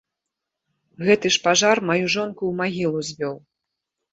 Гэты ж пажар маю жонку ў магілу звёў!